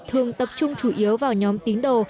thường tập trung chủ yếu vào nhóm tín đồ